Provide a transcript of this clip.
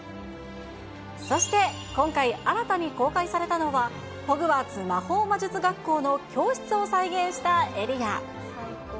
そして、今回、新たに公開されたのは、ホグワーツ魔法魔術学校の教室を再現したエリア。